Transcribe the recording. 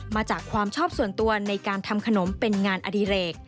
มาจากความชอบส่วนตัวในการทำขนมเป็นงานอดิเรก